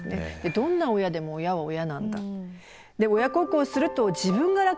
どんな親でも親は親なんだ。